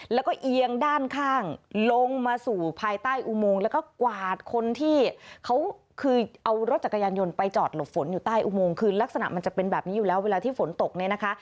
แล้วก็เอียงด้านข้างลงมาสู่ภายใต้อุโมงแล้วก็กวาดคนที่เขาคือเอารถจักรยานยนต์ไปจอดหลบฝนอยู่ใต้อุโมงคือลักษณะมันจะเป็นแบบนี้อยู่แล้วเวลาที่ฝนตกเนี่ยนะคะ